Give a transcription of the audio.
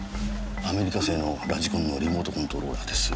アメリカ製のラジコンのリモート・コントローラーです。